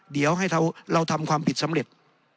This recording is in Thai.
เดี๋ยวให้เราทำความผิดสำเร็จ